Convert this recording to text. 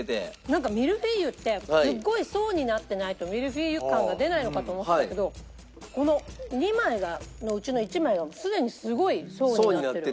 なんかミルフィーユってすごい層になってないとミルフィーユ感が出ないのかと思ってたけどこの２枚のうちの１枚がすでにすごい層になってる。